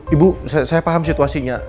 ibu saya paham situasinya